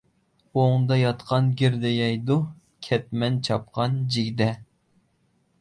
ئوڭدا ياتقان گىردە يەيدۇ، كەتمەن چاپقان جىگدە.